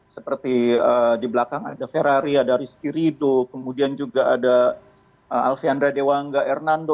seperti di belakang ada ferrari ada rizky rido kemudian juga ada alfie andradewangga hernando